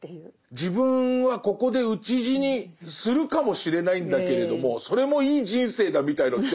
自分はここで討ち死にするかもしれないんだけれどもそれもいい人生だみたいのって